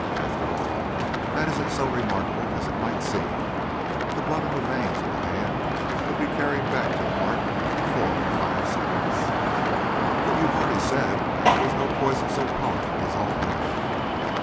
After all, that isn't so remarkable as it might seem. The blood in the veins of the hand would be carried back to the heart in four or five seconds." "But you've already said there's no poison so powerful as all that."